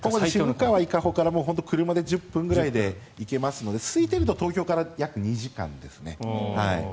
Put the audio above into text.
渋川伊香保ＩＣから車で１０分くらいで行けますのですいていると東京から約２時間ですね。